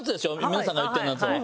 皆さんが言ってるやつは。